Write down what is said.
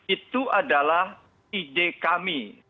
itu adalah ide kami